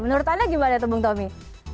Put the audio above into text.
menurut anda gimana tuh bung tommy